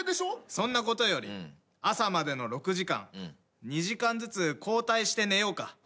そんなことより朝までの６時間２時間ずつ交代して寝ようか。